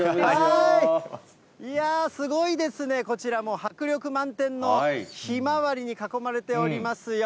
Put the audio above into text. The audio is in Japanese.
いやぁ、すごいですね、こちらもう迫力満点のひまわりに囲まれておりますよ。